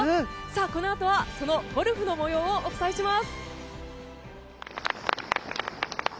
このあとはそのゴルフの模様をお伝えします。